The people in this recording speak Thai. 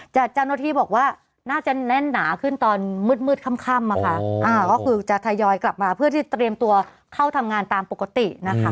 เจ้าหน้าที่บอกว่าน่าจะแน่นหนาขึ้นตอนมืดมืดค่ำนะคะก็คือจะทยอยกลับมาเพื่อที่เตรียมตัวเข้าทำงานตามปกตินะคะ